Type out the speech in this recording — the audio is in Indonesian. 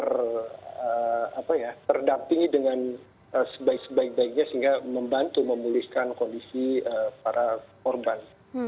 lalu kemudian mendampingi dengan sebaik sebaiknya sehingga membantu memulihkan kondisi para korban